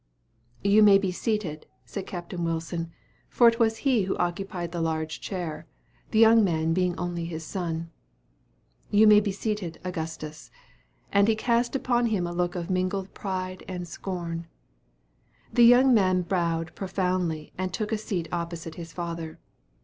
"You may be seated," said Capt. Wilson, for it was he who occupied the large chair, the young man being his only son. "You may be seated, Augustus," and he cast upon him a look of mingled pride and scorn. The young man bowed profoundly, and took a seat opposite his father.